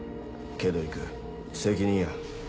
けど行く責任や。